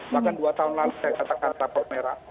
pada tahun lalu saya katakan rapor merah